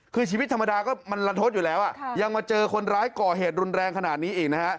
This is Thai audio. คือชีวิตธรรมดาก็มันลันทดอยู่แล้วยังมาเจอคนร้ายก่อเหตุรุนแรงขนาดนี้อีกนะฮะ